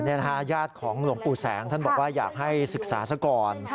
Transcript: ญาติของหลวงปู่แสงท่านบอกว่าอยากให้ศึกษาซะก่อน